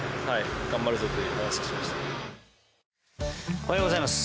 おはようございます。